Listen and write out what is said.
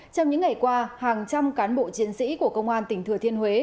trong những ngày qua hàng trăm cán bộ chiến sĩ của công an tỉnh thừa thiên huế